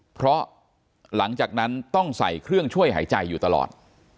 เพราะหลังจากนั้นต้องใส่เครื่องช่วยหายใจอยู่ตลอด